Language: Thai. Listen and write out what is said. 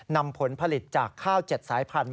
นำผลผลิตจากข้าว๗สายพันธุ์